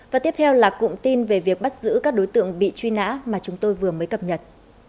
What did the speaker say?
và tiếp theo là cụm tin về việc bắt giữ các đối tượng bị truy nã mà chúng tôi vừa mới cập nhật